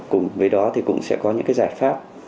cùng với đó cũng sẽ có những giải pháp